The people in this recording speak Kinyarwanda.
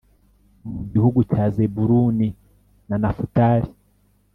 Mu gihugu cya Zebuluni na Nafutali